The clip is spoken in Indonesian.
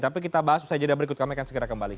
tapi kita bahas usai jeda berikut kami akan segera kembali